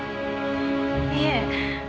いえ。